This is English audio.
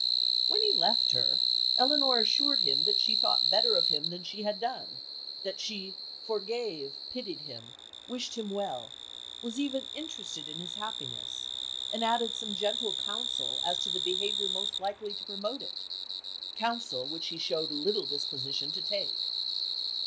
When he left her, Elinor assured him that she thought better of him than she had done, "that she forgave, pitied him, wished him well was even interested in his happiness and added some gentle counsel as to the behaviour most likely to promote it;" counsel which he showed little disposition to take.